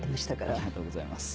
ありがとうございます。